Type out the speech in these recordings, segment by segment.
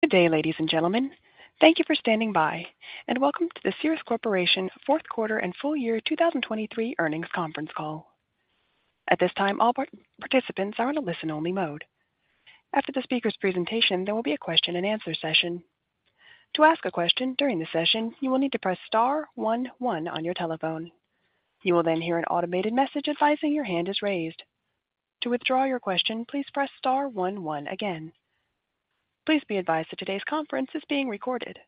Good day, ladies and gentlemen. Thank you for standing by, and welcome to the Cerus Corporation Fourth Quarter and Full Year 2023 Earnings Conference Call. At this time, all participants are in a listen-only mode. After the speaker's presentation, there will be a question and answer session. To ask a question during the session, you will need to press star one one on your telephone. You will then hear an automated message advising your hand is raised. To withdraw your question, please press star one one again. Please be advised that today's conference is being recorded.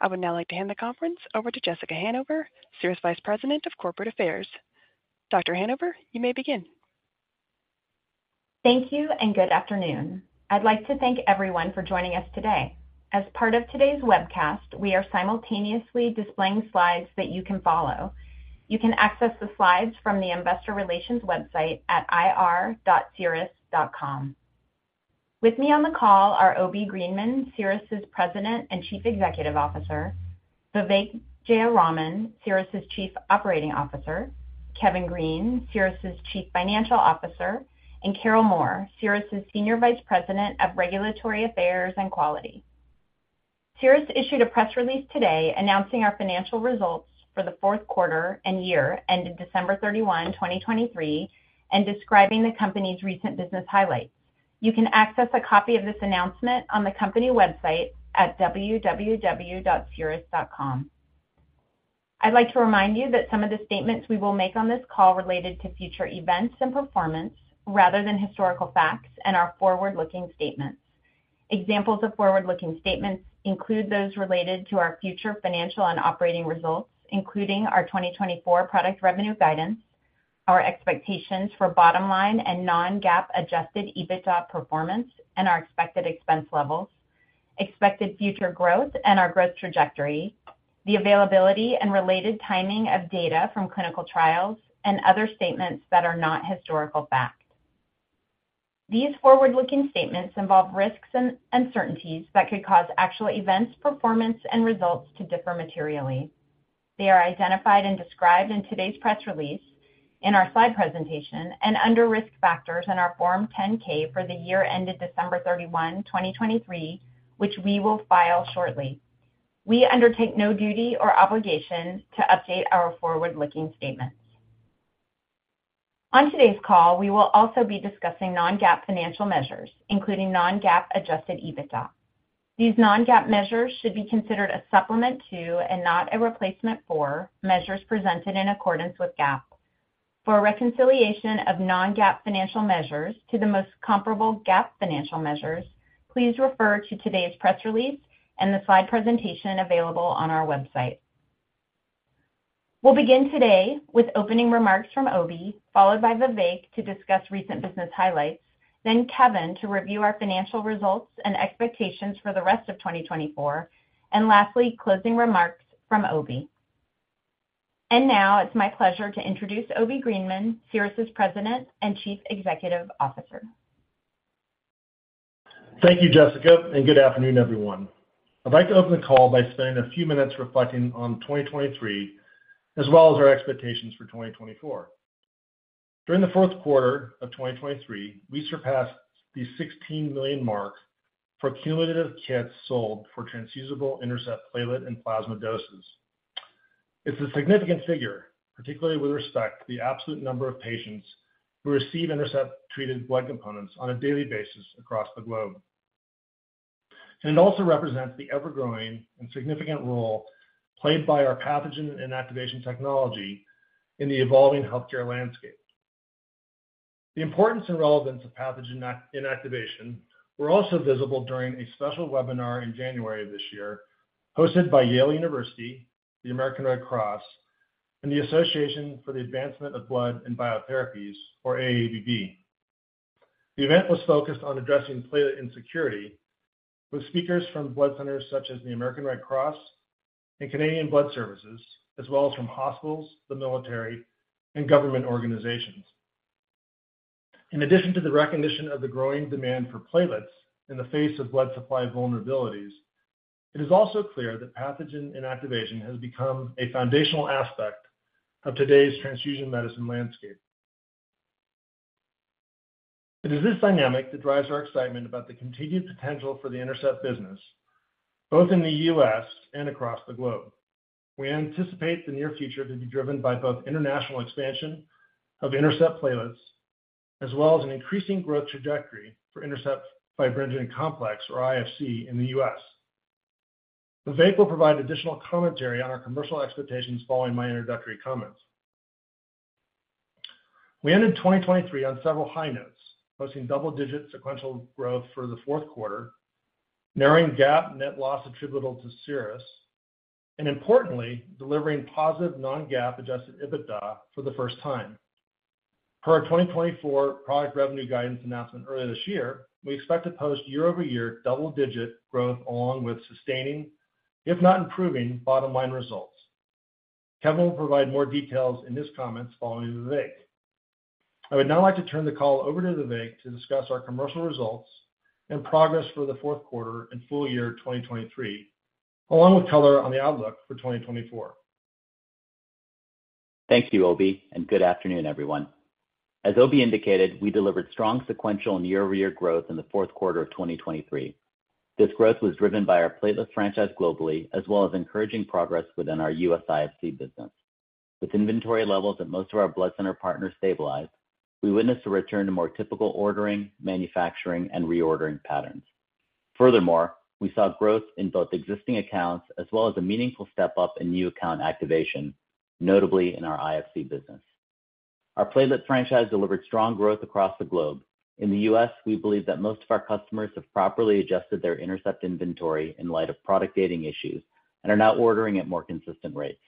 I would now like to hand the conference over to Jessica Hanover, Cerus Vice President of Corporate Affairs. Dr. Hanover, you may begin. Thank you, and good afternoon. I'd like to thank everyone for joining us today. As part of today's webcast, we are simultaneously displaying slides that you can follow. You can access the slides from the investor relations website at ir.cerus.com. With me on the call are Obi Greenman, Cerus's President and Chief Executive Officer; Vivek Jayaraman, Cerus's Chief Operating Officer; Kevin Green, Cerus's Chief Financial Officer; and Carol Moore, Cerus's Senior Vice President of Regulatory Affairs and Quality. Cerus issued a press release today announcing our financial results for the fourth quarter and year ended December 31, 2023, and describing the company's recent business highlights. You can access a copy of this announcement on the company website at www.cerus.com. I'd like to remind you that some of the statements we will make on this call related to future events and performance rather than historical facts and are forward-looking statements. Examples of forward-looking statements include those related to our future financial and operating results, including our 2024 product revenue guidance, our expectations for bottom line and non-GAAP Adjusted EBITDA performance, and our expected expense levels, expected future growth and our growth trajectory, the availability and related timing of data from clinical trials, and other statements that are not historical fact. These forward-looking statements involve risks and uncertainties that could cause actual events, performance, and results to differ materially. They are identified and described in today's press release, in our slide presentation, and under Risk Factors in our Form 10-K for the year ended December 31, 2023, which we will file shortly. We undertake no duty or obligation to update our forward-looking statements. On today's call, we will also be discussing non-GAAP financial measures, including non-GAAP Adjusted EBITDA. These non-GAAP measures should be considered a supplement to, and not a replacement for, measures presented in accordance with GAAP. For a reconciliation of non-GAAP financial measures to the most comparable GAAP financial measures, please refer to today's press release and the slide presentation available on our website. We'll begin today with opening remarks from Obi, followed by Vivek to discuss recent business highlights, then Kevin to review our financial results and expectations for the rest of 2024, and lastly, closing remarks from Obi. Now, it's my pleasure to introduce Obi Greenman, Cerus's President and Chief Executive Officer. Thank you, Jessica, and good afternoon, everyone. I'd like to open the call by spending a few minutes reflecting on 2023, as well as our expectations for 2024. During the fourth quarter of 2023, we surpassed the 16 million mark for cumulative kits sold for transfusible INTERCEPT platelet and plasma doses. It's a significant figure, particularly with respect to the absolute number of patients who receive INTERCEPT-treated blood components on a daily basis across the globe. And it also represents the ever-growing and significant role played by our pathogen inactivation technology in the evolving healthcare landscape. The importance and relevance of pathogen inactivation were also visible during a special webinar in January of this year, hosted by Yale University, the American Red Cross, and the Association for the Advancement of Blood and Biotherapies, or AABB. The event was focused on addressing platelet insecurity with speakers from blood centers such as the American Red Cross and Canadian Blood Services, as well as from hospitals, the military, and government organizations. In addition to the recognition of the growing demand for platelets in the face of blood supply vulnerabilities, it is also clear that pathogen inactivation has become a foundational aspect of today's transfusion medicine landscape. It is this dynamic that drives our excitement about the continued potential for the INTERCEPT business, both in the U.S. and across the globe. We anticipate the near future to be driven by both international expansion of INTERCEPT platelets, as well as an increasing growth trajectory for INTERCEPT Fibrinogen Complex, or IFC, in the U.S. Vivek will provide additional commentary on our commercial expectations following my introductory comments. We ended 2023 on several high notes, posting double-digit sequential growth for the fourth quarter, narrowing GAAP net loss attributable to Cerus, and importantly, delivering positive non-GAAP Adjusted EBITDA for the first time. Per our 2024 product revenue guidance announcement earlier this year, we expect to post year-over-year double-digit growth along with sustaining, if not improving, bottom-line results. Kevin will provide more details in his comments following Vivek. I would now like to turn the call over to Vivek to discuss our commercial results and progress for the fourth quarter and full year 2023, along with color on the outlook for 2024.... Thank you, Obi, and good afternoon, everyone. As Obi indicated, we delivered strong sequential and year-over-year growth in the fourth quarter of 2023. This growth was driven by our platelet franchise globally, as well as encouraging progress within our U.S. IFC business. With inventory levels at most of our blood center partners stabilized, we witnessed a return to more typical ordering, manufacturing, and reordering patterns. Furthermore, we saw growth in both existing accounts as well as a meaningful step-up in new account activation, notably in our IFC business. Our platelet franchise delivered strong growth across the globe. In the U.S., we believe that most of our customers have properly adjusted their INTERCEPT inventory in light of product dating issues and are now ordering at more consistent rates.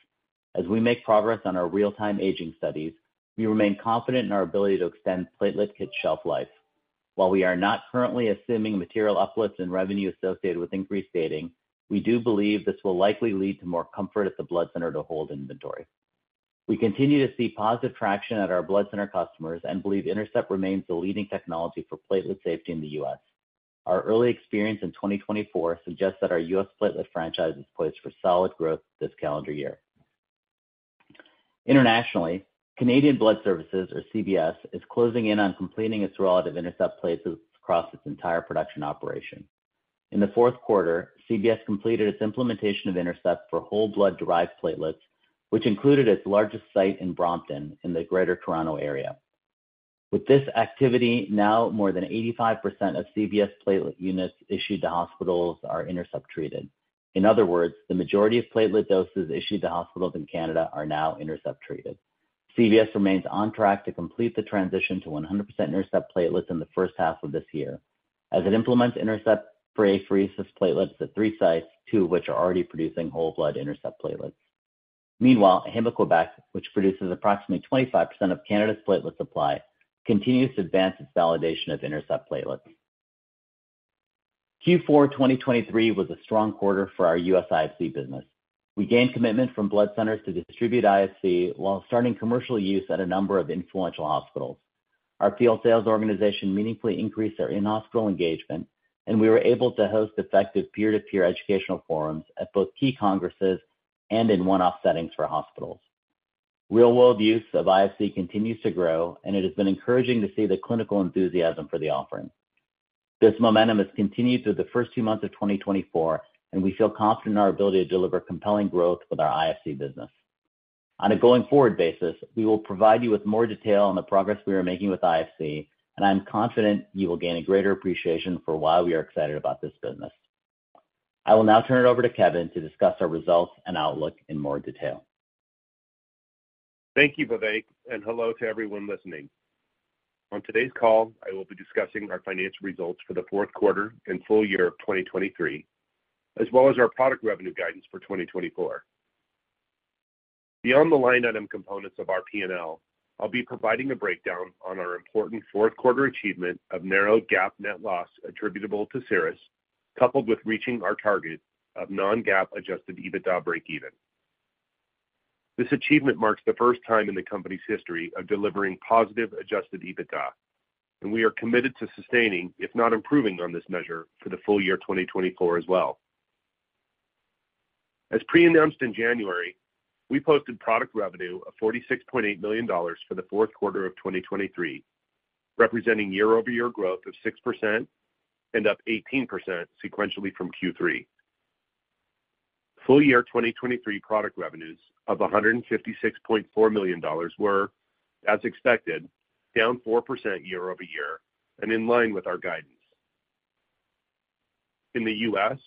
As we make progress on our real-time aging studies, we remain confident in our ability to extend platelet kit shelf life. While we are not currently assuming material uplifts in revenue associated with increased dating, we do believe this will likely lead to more comfort at the blood center to hold inventory. We continue to see positive traction at our blood center customers and believe INTERCEPT remains the leading technology for platelet safety in the U.S. Our early experience in 2024 suggests that our U.S. platelet franchise is poised for solid growth this calendar year. Internationally, Canadian Blood Services, or CBS, is closing in on completing its rollout of INTERCEPT platelets across its entire production operation. In the fourth quarter, CBS completed its implementation of INTERCEPT for whole blood-derived platelets, which included its largest site in Brampton in the Greater Toronto Area. With this activity, now more than 85% of CBS platelet units issued to hospitals are INTERCEPT treated. In other words, the majority of platelet doses issued to hospitals in Canada are now INTERCEPT treated. CBS remains on track to complete the transition to 100% INTERCEPT platelets in the first half of this year, as it implements INTERCEPT for apheresis platelets at 3 sites, two of which are already producing whole blood INTERCEPT platelets. Meanwhile, Héma-Québec, which produces approximately 25% of Canada's platelet supply, continues to advance its validation of INTERCEPT platelets. Q4 2023 was a strong quarter for our U.S. IFC business. We gained commitment from blood centers to distribute IFC while starting commercial use at a number of influential hospitals. Our field sales organization meaningfully increased our in-hospital engagement, and we were able to host effective peer-to-peer educational forums at both key congresses and in one-off settings for hospitals. Real-world use of IFC continues to grow, and it has been encouraging to see the clinical enthusiasm for the offering. This momentum has continued through the first two months of 2024, and we feel confident in our ability to deliver compelling growth with our IFC business. On a going-forward basis, we will provide you with more detail on the progress we are making with IFC, and I'm confident you will gain a greater appreciation for why we are excited about this business. I will now turn it over to Kevin to discuss our results and outlook in more detail. Thank you, Vivek, and hello to everyone listening. On today's call, I will be discussing our financial results for the fourth quarter and full year of 2023, as well as our product revenue guidance for 2024. Beyond the line item components of our P&L, I'll be providing a breakdown on our important fourth quarter achievement of narrowed GAAP net loss attributable to Cerus, coupled with reaching our target of non-GAAP Adjusted EBITDA breakeven. This achievement marks the first time in the company's history of delivering positive Adjusted EBITDA, and we are committed to sustaining, if not improving, on this measure for the full year 2024 as well. As pre-announced in January, we posted product revenue of $46.8 million for the fourth quarter of 2023, representing year-over-year growth of 6% and up 18% sequentially from Q3. Full year 2023 product revenues of $156.4 million were, as expected, down 4% year-over-year and in line with our guidance. In the US,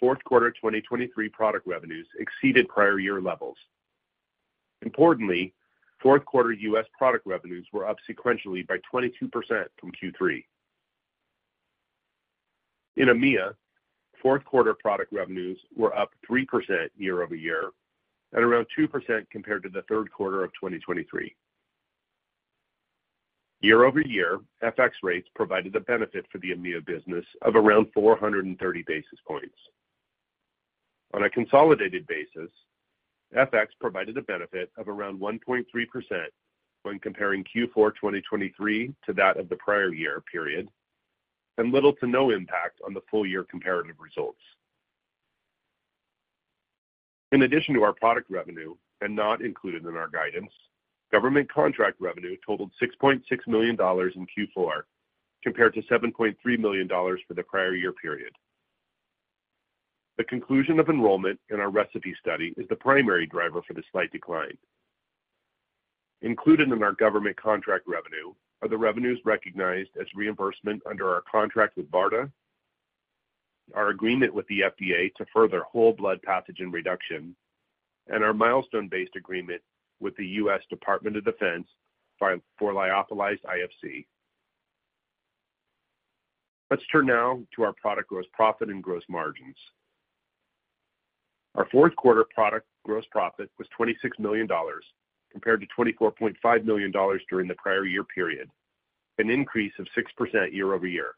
fourth quarter 2023 product revenues exceeded prior year levels. Importantly, fourth quarter US product revenues were up sequentially by 22% from Q3. In EMEA, fourth quarter product revenues were up 3% year-over-year at around 2% compared to the third quarter of 2023. Year-over-year, FX rates provided a benefit for the EMEA business of around 430 basis points. On a consolidated basis, FX provided a benefit of around 1.3% when comparing Q4 2023 to that of the prior year period, and little to no impact on the full year comparative results. In addition to our product revenue, and not included in our guidance, government contract revenue totaled $6.6 million in Q4, compared to $7.3 million for the prior year period. The conclusion of enrollment in our ReCePI study is the primary driver for the slight decline. Included in our government contract revenue are the revenues recognized as reimbursement under our contract with BARDA, our agreement with the FDA to further whole blood pathogen reduction, and our milestone-based agreement with the US Department of Defense for lyophilized IFC. Let's turn now to our product gross profit and gross margins. Our fourth quarter product gross profit was $26 million, compared to $24.5 million during the prior year period, an increase of 6% year-over-year.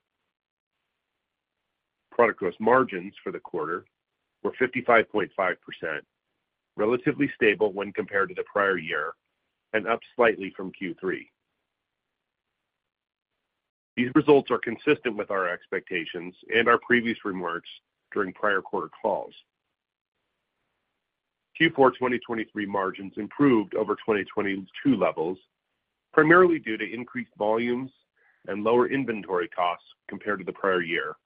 Product gross margins for the quarter were 55.5%, relatively stable when compared to the prior year and up slightly from Q3. These results are consistent with our expectations and our previous remarks during prior quarter calls. Q4 2023 margins improved over 2022 levels, primarily due to increased volumes and lower inventory costs compared to the prior year,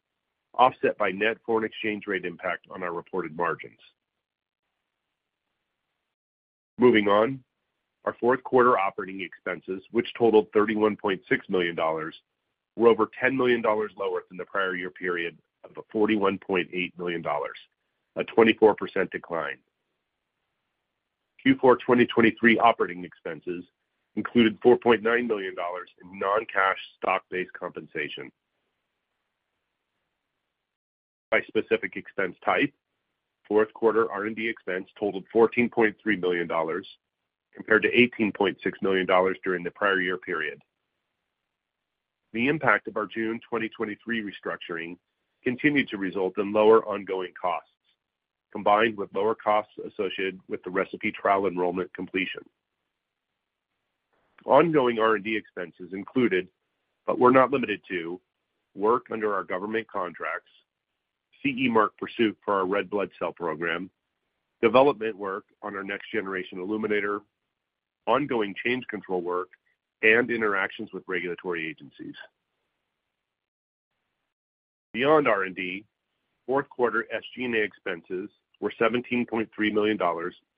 offset by net foreign exchange rate impact on our reported margins. Moving on, our fourth quarter operating expenses, which totaled $31.6 million, were over $10 million lower than the prior year period of $41.8 million, a 24% decline. Q4 2023 operating expenses included $4.9 million in non-cash stock-based compensation. By specific expense type, fourth quarter R&D expense totaled $14.3 million, compared to $18.6 million during the prior year period. The impact of our June 2023 restructuring continued to result in lower ongoing costs, combined with lower costs associated with the ReCePI trial enrollment completion. Ongoing R&D expenses included, but were not limited to, work under our government contracts, CE Mark pursuit for our red blood cell program, development work on our next generation illuminator, ongoing change control work, and interactions with regulatory agencies. Beyond R&D, fourth quarter SG&A expenses were $17.3 million,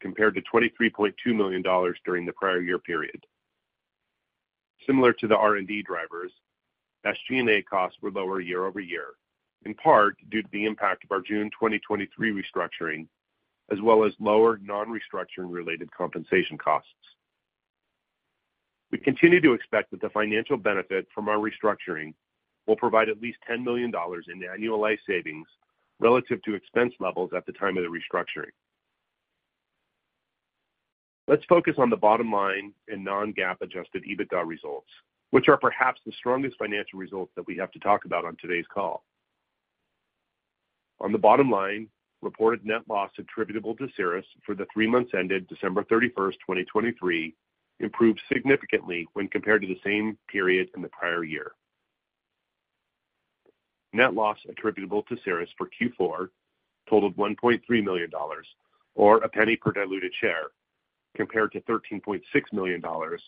compared to $23.2 million during the prior year period. Similar to the R&D drivers, SG&A costs were lower year-over-year, in part due to the impact of our June 2023 restructuring, as well as lower non-restructuring related compensation costs. We continue to expect that the financial benefit from our restructuring will provide at least $10 million in annualized savings relative to expense levels at the time of the restructuring. Let's focus on the bottom line and non-GAAP Adjusted EBITDA results, which are perhaps the strongest financial results that we have to talk about on today's call. On the bottom line, reported net loss attributable to Cerus for the three months ended December 31st, 2023, improved significantly when compared to the same period in the prior year. Net loss attributable to Cerus for Q4 totaled $1.3 million, or $0.01 per diluted share, compared to $13.6 million, or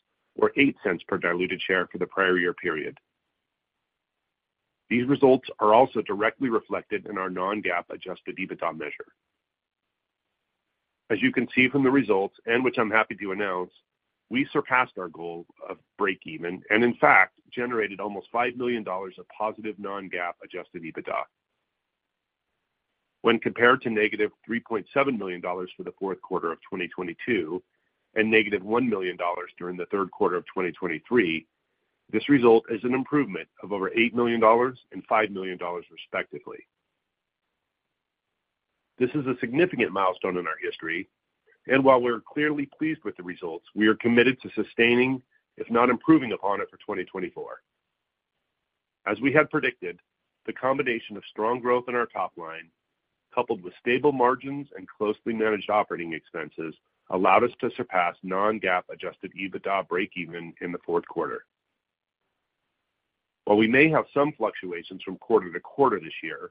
$0.08 per diluted share for the prior year period. These results are also directly reflected in our non-GAAP Adjusted EBITDA measure. As you can see from the results, and which I'm happy to announce, we surpassed our goal of break even, and in fact, generated almost $5 million of positive non-GAAP Adjusted EBITDA. When compared to -$3.7 million for the fourth quarter of 2022 and -$1 million during the third quarter of 2023, this result is an improvement of over $8 million and $5 million, respectively. This is a significant milestone in our history, and while we're clearly pleased with the results, we are committed to sustaining, if not improving upon it, for 2024. As we had predicted, the combination of strong growth in our top line, coupled with stable margins and closely managed operating expenses, allowed us to surpass non-GAAP Adjusted EBITDA breakeven in the fourth quarter. While we may have some fluctuations from quarter-to-quarter this year,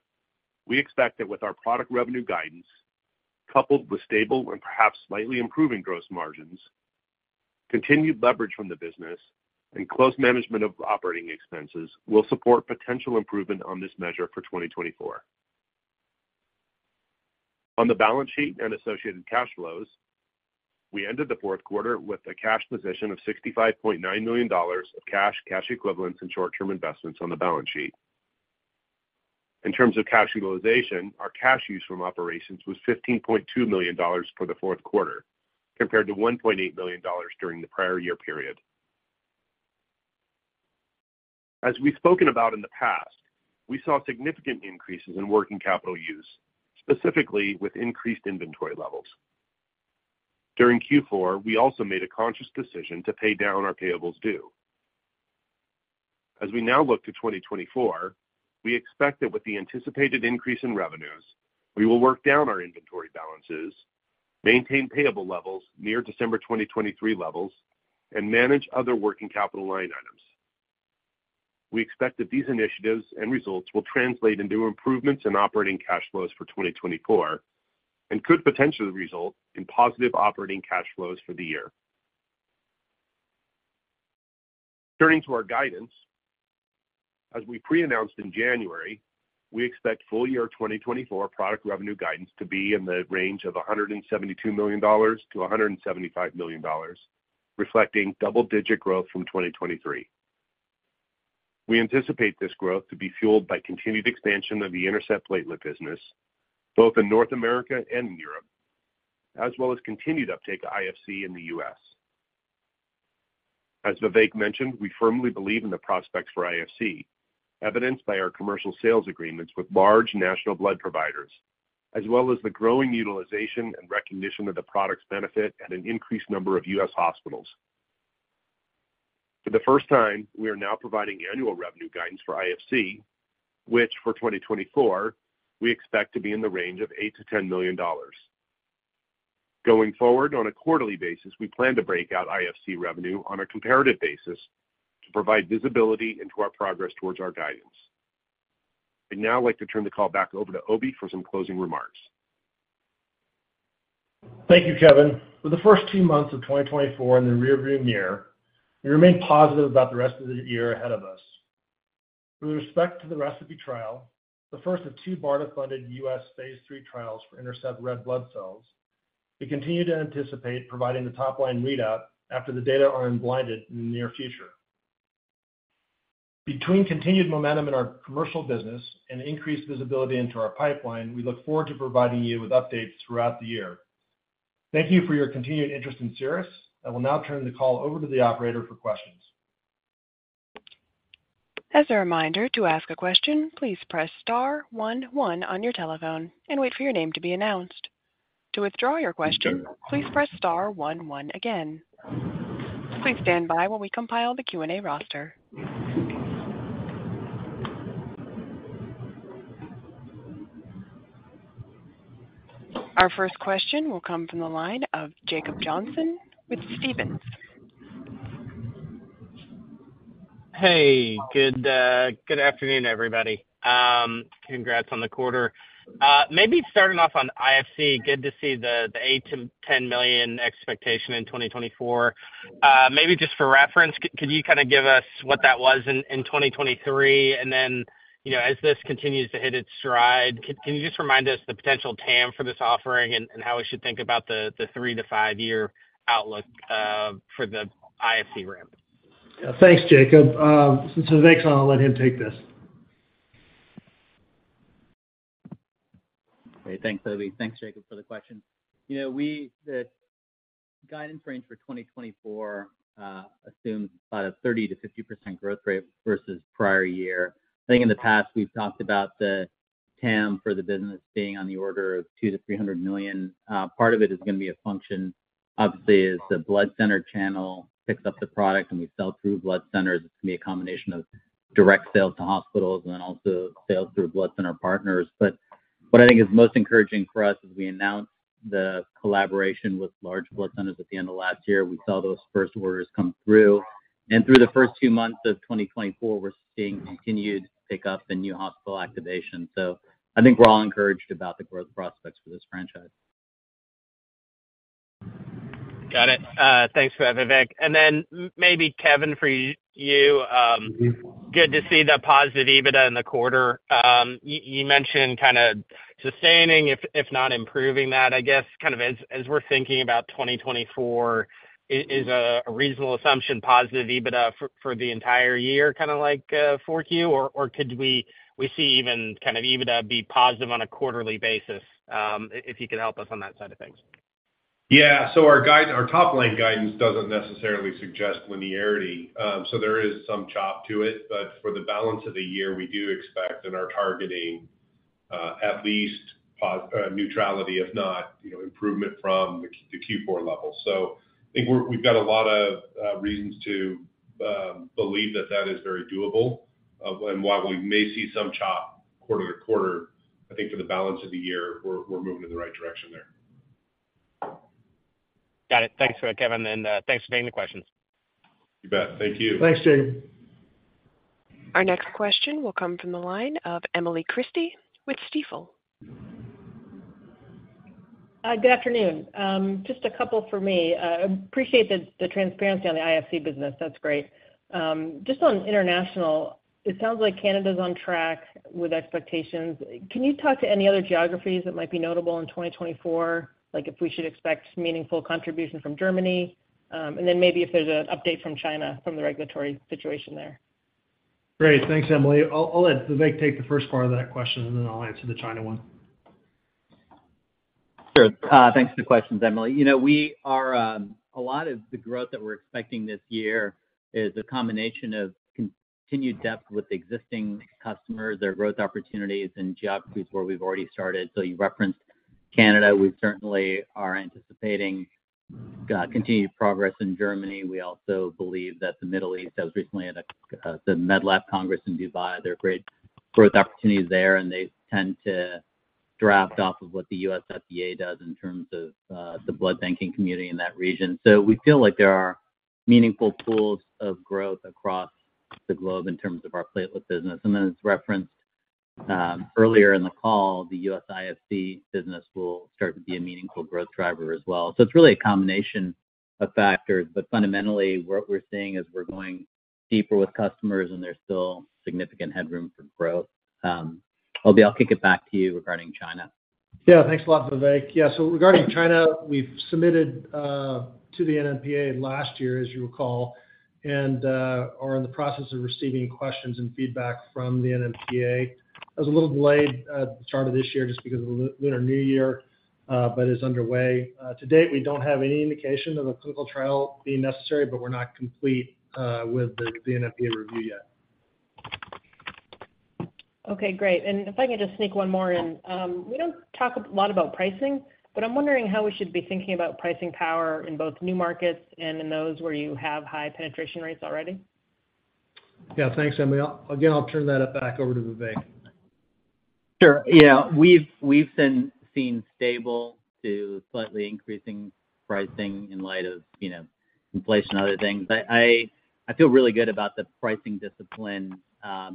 we expect that with our product revenue guidance, coupled with stable and perhaps slightly improving gross margins, continued leverage from the business and close management of operating expenses will support potential improvement on this measure for 2024. On the balance sheet and associated cash flows, we ended the fourth quarter with a cash position of $65.9 million of cash, cash equivalents and short-term investments on the balance sheet. In terms of cash utilization, our cash use from operations was $15.2 million for the fourth quarter, compared to $1.8 million during the prior year period. As we've spoken about in the past, we saw significant increases in working capital use, specifically with increased inventory levels. During Q4, we also made a conscious decision to pay down our payables due. As we now look to 2024, we expect that with the anticipated increase in revenues, we will work down our inventory balances, maintain payable levels near December 2023 levels, and manage other working capital line items. We expect that these initiatives and results will translate into improvements in operating cash flows for 2024 and could potentially result in positive operating cash flows for the year. Turning to our guidance, as we pre-announced in January, we expect full year 2024 product revenue guidance to be in the range of $172 million-$175 million, reflecting double-digit growth from 2023. We anticipate this growth to be fueled by continued expansion of the INTERCEPT platelet business, both in North America and in Europe, as well as continued uptake of IFC in the U.S. As Vivek mentioned, we firmly believe in the prospects for IFC, evidenced by our commercial sales agreements with large national blood providers, as well as the growing utilization and recognition of the product's benefit at an increased number of US hospitals. For the first time, we are now providing annual revenue guidance for IFC, which for 2024, we expect to be in the range of $8 million-$10 million. Going forward, on a quarterly basis, we plan to break out IFC revenue on a comparative basis to provide visibility into our progress towards our guidance. I'd now like to turn the call back over to Obi for some closing remarks. Thank you, Kevin. For the first two months of 2024 in the rear-view mirror, we remain positive about the rest of the year ahead of us. With respect to the ReCePI trial, the first of two BARDA-funded U.S. Phase III trials for INTERCEPT Red Blood Cells, we continue to anticipate providing the top-line readout after the data are unblinded in the near future. Between continued momentum in our commercial business and increased visibility into our pipeline, we look forward to providing you with updates throughout the year. Thank you for your continued interest in Cerus. I will now turn the call over to the operator for questions. As a reminder, to ask a question, please press star one one on your telephone and wait for your name to be announced. To withdraw your question, please press star one one again. Please stand by while we compile the Q&A roster. Our first question will come from the line of Jacob Johnson with Stephens. Hey, good afternoon, everybody. Congrats on the quarter. Maybe starting off on IFC, good to see the $8 million-10 million expectation in 2024. Maybe just for reference, could you kind of give us what that was in 2023? And then, you know, as this continues to hit its stride, can you just remind us the potential TAM for this offering and how we should think about the 3 year-5 year outlook for the IFC ramp? Yeah. Thanks, Jacob. So Vivek and I'll let him take this. Hey, thanks, Obi. Thanks, Jacob, for the question. You know, the guidance range for 2024 assumes a 30%-50% growth rate versus prior year. I think in the past, we've talked about the TAM for the business being on the order of $200 million-$300 million. Part of it is gonna be a function, obviously, as the blood center channel picks up the product and we sell through blood centers. It's gonna be a combination of direct sales to hospitals and then also sales through blood center partners. But what I think is most encouraging for us, as we announced the collaboration with large blood centers at the end of last year, we saw those first orders come through. And through the first two months of 2024, we're seeing continued pickup and new hospital activation.I think we're all encouraged about the growth prospects for this franchise. Got it. Thanks for that, Vivek. And then maybe, Kevin, for you, good to see the positive EBITDA in the quarter. You mentioned kind of sustaining, if not improving that. I guess, kind of as we're thinking about 2024, is a reasonable assumption positive EBITDA for the entire year, kind of like Q4? Or could we see even kind of EBITDA be positive on a quarterly basis, if you could help us on that side of things. Yeah, so our top-line guidance doesn't necessarily suggest linearity. So there is some chop to it, but for the balance of the year, we do expect and are targeting at least neutrality, if not, you know, improvement from the Q4 level. So I think we've got a lot of reasons to believe that that is very doable. And while we may see some chop quarter to quarter, I think for the balance of the year, we're moving in the right direction there. Got it. Thanks for that, Kevin, and thanks for taking the questions. You bet. Thank you. Thanks, Jacob. Our next question will come from the line of Emily Christy with Stifel. Good afternoon. Just a couple for me. Appreciate the transparency on the IFC business. That's great. Just on international, it sounds like Canada's on track with expectations. Can you talk to any other geographies that might be notable in 2024? Like, if we should expect meaningful contribution from Germany, and then maybe if there's an update from China, from the regulatory situation there. Great. Thanks, Emily. I'll let Vivek take the first part of that question, and then I'll answer the China one. Sure. Thanks for the questions, Emily. You know, we are a lot of the growth that we're expecting this year is a combination of continued depth with existing customers, their growth opportunities, and geographies where we've already started. So you referenced Canada. We certainly are anticipating continued progress in Germany. We also believe that the Middle East, I was recently at the MedLab Congress in Dubai. There are great growth opportunities there, and they tend to draft off of what the U.S. FDA does in terms of the blood banking community in that region. So we feel like there are meaningful pools of growth across the globe in terms of our platelet business. And then, as referenced earlier in the call, the U.S. IFC business will start to be a meaningful growth driver as well. It's really a combination of factors, but fundamentally, what we're seeing is we're going deeper with customers, and there's still significant headroom for growth. Obi, I'll kick it back to you regarding China. Yeah. Thanks a lot, Vivek. Yeah, so regarding China, we've submitted to the NMPA last year, as you recall, and are in the process of receiving questions and feedback from the NMPA. It was a little delayed at the start of this year just because of the Lunar New Year, but is underway. To date, we don't have any indication of a clinical trial being necessary, but we're not complete with the NMPA review yet. Okay, great. And if I could just sneak one more in. We don't talk a lot about pricing, but I'm wondering how we should be thinking about pricing power in both new markets and in those where you have high penetration rates already. Yeah. Thanks, Emily. Again, I'll turn that back over to Vivek.... Sure. Yeah, we've been seeing stable to slightly increasing pricing in light of, you know, inflation and other things. I feel really good about the pricing discipline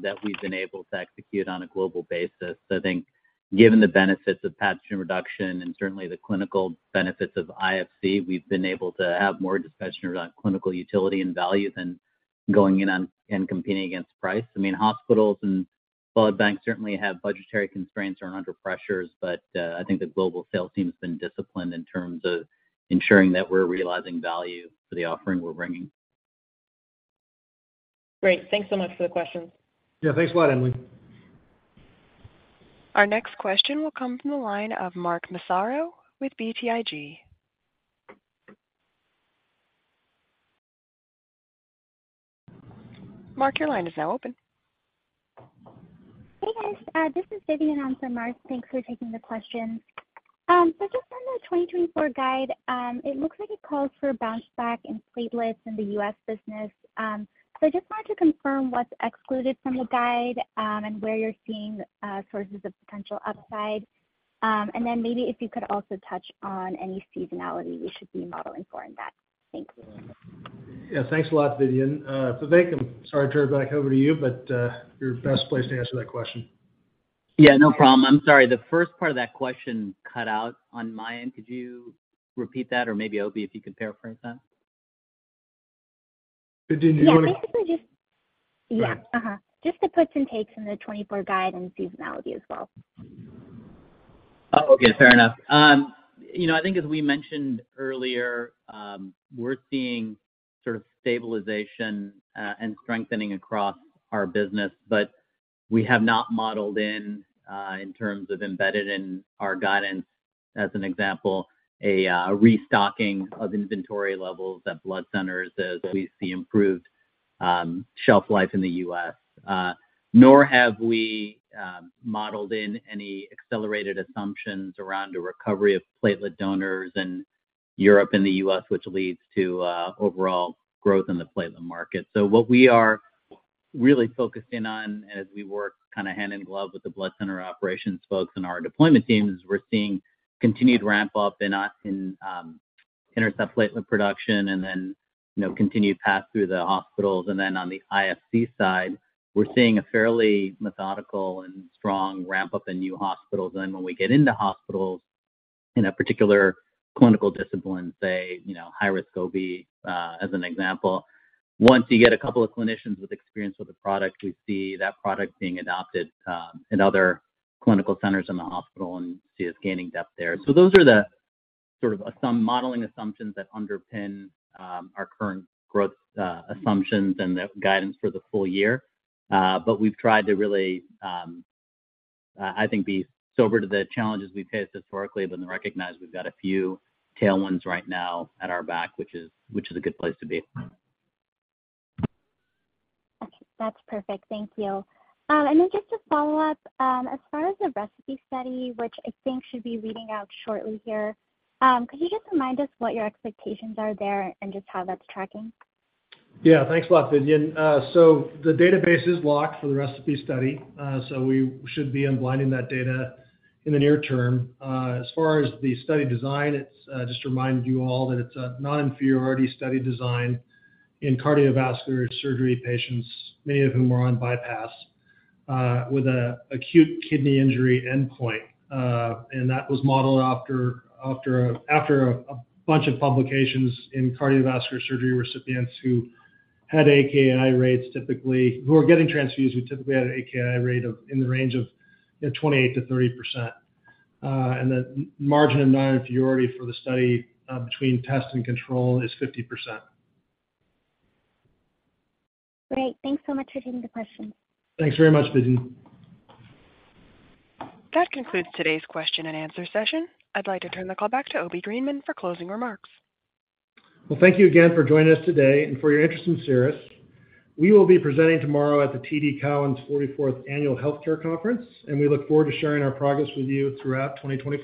that we've been able to execute on a global basis. So I think given the benefits of pathogen reduction and certainly the clinical benefits of IFC, we've been able to have more discretion around clinical utility and value than going in on and competing against price. I mean, hospitals and blood banks certainly have budgetary constraints or are under pressures, but I think the global sales team has been disciplined in terms of ensuring that we're realizing value for the offering we're bringing. Great. Thanks so much for the question. Yeah, thanks a lot, Emily. Our next question will come from the line of Mark Massaro with BTIG. Mark, your line is now open. Hey, guys. This is Vidyun on for Mark. Thanks for taking the question. So just on the 2024 guide, it looks like it calls for a bounce back in platelets in the U.S. business. So I just wanted to confirm what's excluded from the guide, and where you're seeing sources of potential upside. And then maybe if you could also touch on any seasonality we should be modeling for in that. Thank you. Yeah. Thanks a lot, Vidyun. Vivek, I'm sorry to turn it back over to you, but you're the best place to answer that question. Yeah, no problem. I'm sorry, the first part of that question cut out on my end. Could you repeat that, or maybe, Obi, if you could paraphrase that? Vidyun, do you wanna- Yeah, basically, just- Right. Uh-huh. Just the puts and takes in the 24 guide and seasonality as well. Oh, okay. Fair enough. You know, I think as we mentioned earlier, we're seeing sort of stabilization and strengthening across our business, but we have not modeled in, in terms of embedded in our guidance, as an example, a restocking of inventory levels at blood centers as we see improved shelf life in the US. Nor have we modeled in any accelerated assumptions around a recovery of platelet donors in Europe and the US, which leads to overall growth in the platelet market. So what we are really focusing on as we work kind of hand in glove with the blood center operations folks and our deployment team, is we're seeing continued ramp-up in INTERCEPT platelet production and then, you know, continued pass through the hospitals. And then on the IFC side, we're seeing a fairly methodical and strong ramp-up in new hospitals. Then when we get into hospitals in a particular clinical discipline, say, you know, high-risk OB, as an example, once you get a couple of clinicians with experience with the product, we see that product being adopted, in other clinical centers in the hospital and see us gaining depth there. So those are the sort of some modeling assumptions that underpin, our current growth, assumptions and the guidance for the full year. But we've tried to really, I think, be sober to the challenges we've faced historically, but then recognize we've got a few tailwinds right now at our back, which is, which is a good place to be. Okay. That's perfect. Thank you. And then just to follow up, as far as the ReCePI study, which I think should be reading out shortly here, could you just remind us what your expectations are there and just how that's tracking? Yeah. Thanks a lot, Vidyun. So the database is locked for the ReCePI study, so we should be unblinding that data in the near term. As far as the study design, it's just to remind you all that it's a non-inferiority study design in cardiovascular surgery patients, many of whom are on bypass, with an acute kidney injury endpoint. And that was modeled after a bunch of publications in cardiovascular surgery recipients who had AKI rates, typically, who were getting transfusions, who typically had an AKI rate in the range of, you know, 28%-30%. And the margin of non-inferiority for the study, between test and control is 50%. Great. Thanks so much for taking the question. Thanks very much, Vidyun. That concludes today's question and answer session. I'd like to turn the call back to Obi Greenman for closing remarks. Well, thank you again for joining us today and for your interest in Cerus. We will be presenting tomorrow at the TD Cowen’s 44th Annual Healthcare Conference, and we look forward to sharing our progress with you throughout 2024.